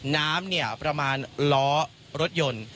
น้ำเนี่ยประมาณล้อรถยนต์